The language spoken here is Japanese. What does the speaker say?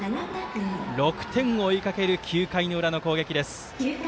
６点を追いかける９回の裏の攻撃。